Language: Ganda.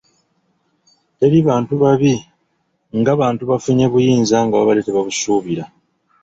Teri bantu babi nga bantu bafunye buyinza nga babadde tebabusuubira.